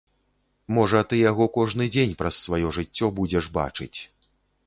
Можа ты яго кожны дзень праз сваё жыццё будзеш бачыць.